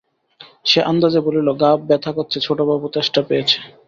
সে আন্দাজে বলিল, গা ব্যথা কচ্ছে ছোটবাবু, তেষ্টা পেয়েছে।